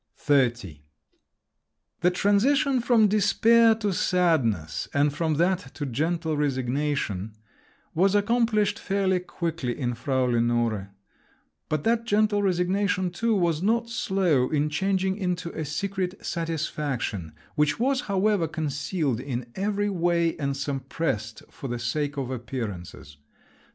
XXX The transition from despair to sadness, and from that to "gentle resignation," was accomplished fairly quickly in Frau Lenore; but that gentle resignation, too, was not slow in changing into a secret satisfaction, which was, however, concealed in every way and suppressed for the sake of appearances.